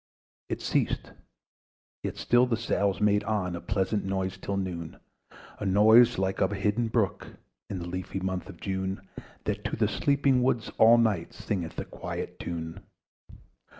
It ceased; yet still the sails made on A pleasant noise till noon, A noise like of a hidden brook In the leafy month of June, That to the sleeping woods all night Singeth a quiet tune.